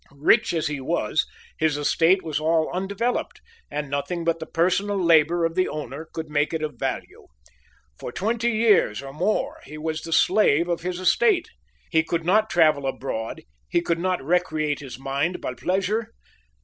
Rich as he was, his estate was all undeveloped, and nothing but the personal labor of the owner could make it of value. For twenty years or more he was the slave of his estate. He could not travel abroad; he could not recreate his mind by pleasure.